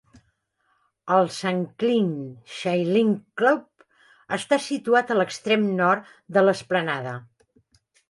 El Shanklin Sailing Club està situat a l'extrem nord de l'esplanada.